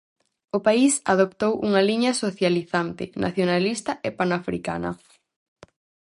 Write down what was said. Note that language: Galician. O país adoptou unha liña socializante, nacionalista e panafricana.